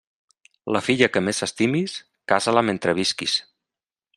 La filla que més estimis, casa-la mentre visquis.